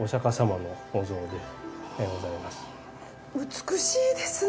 美しいですね。